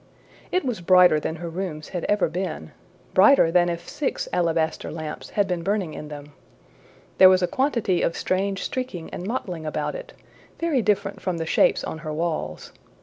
It was brighter than her rooms had ever been brighter than if six alabaster lamps had been burning in them. There was a quantity of strange streaking and mottling about it, very different from the shapes on her walls.